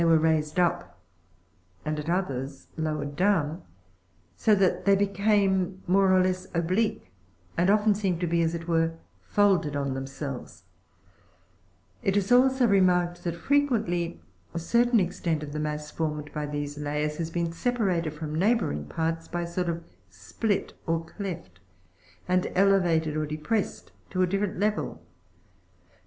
were raised up, and at others lowered down, so that they became more or less oblique, and often seem to be, as it were, folded on themselves ; it is also remarked that frequently a certain extent of the mass formed by these layers has been sepa rated from neighboring parts by a sort of split or cleft, and elevated or de pressed to a different level ; conse Fig.